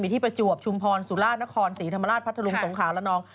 ที่ประจวบชุมพรสุราชนครศรีธรรมราชพัทธรุงสงขาละนอง